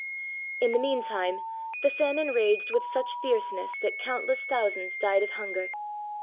In the mean time the famine raged with such fierce ness that countless thousands died of hunger.